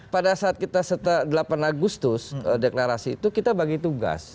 pada saat kita setelah delapan agustus deklarasi itu kita bagi tugas